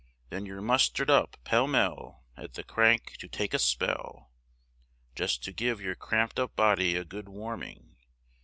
Then you're muster'd up pell mell, at the crank to take a spell, Just to give your cramp'd up body a good warming.